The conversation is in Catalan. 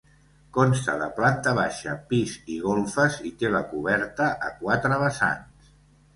Consta de planta baixa, pis i golfes i té la coberta a quatre vessants.